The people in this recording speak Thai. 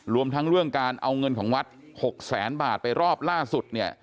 รวมทั้งเรื่องการเอาเงินของวัด๖แสนบาทไปรอบล่าสุดเนี่ย